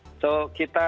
dan empat tambah canada